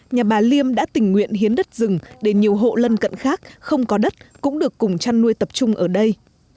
nhà bà liêm đã tình nguyện hiến đất rừng để nhiều hộ lân cận khác không có đất cũng được cùng chăn nuôi tập trung ở đây